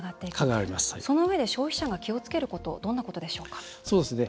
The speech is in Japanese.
そのうえで消費者が気をつけることどんなことでしょうか？